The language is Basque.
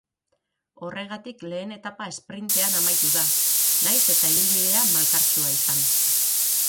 Horregatik lehen etapa esprintean amaitu da, nahiz eta ibilbidea malkartsua izan.